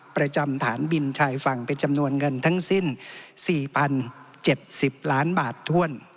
ประจำฐานบินชายฝั่งเป็นจำนวนเงินทั้งสิ้น๔๐๗๐ล้านบาทถ้วน